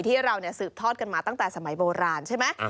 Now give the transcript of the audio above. ที่เราสืบทอดกันมาตั้งแต่สมัยโบราณใช่ไหม